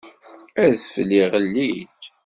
Adfel iɣelli-d.